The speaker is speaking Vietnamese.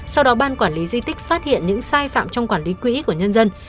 sau đó ban quản lý di tích phát hiện những sai phạm trong quản lý quỹ của nhân dân